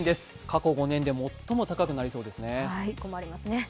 過去５年で最も高くなりそうですね